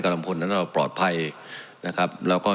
กรรมควรถังนั้นนักจะปลอดภัยนะครับแล้วก็มี